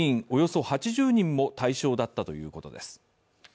およそ８０人も対象だったということです。